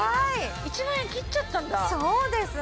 １万円切っちゃったんだそうです